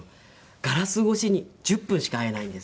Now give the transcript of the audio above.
ガラス越しに１０分しか会えないんです。